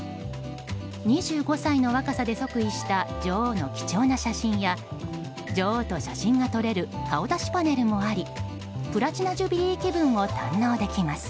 ２５歳の若さで即位した女王の貴重な写真や女王と写真が撮れる顔出しパネルもありプラチナ・ジュビリー気分を堪能できます。